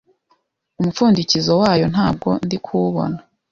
Umupfundikozo wayo ntawo ndikubona